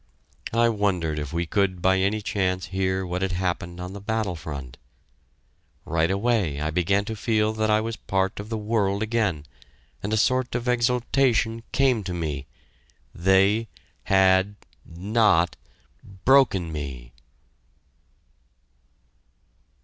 I wondered if we could by any chance hear what had happened on the battle front. Right away I began to feel that I was part of the world again and a sort of exultation came to me... They had not broken me!